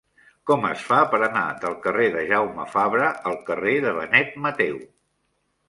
Com es fa per anar del carrer de Jaume Fabra al carrer de Benet Mateu?